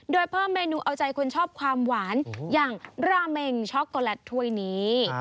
โดยเพิ่มเมนูเอาใจคนชอบความหวานอย่างราเมงช็อกโกแลตถ้วยนี้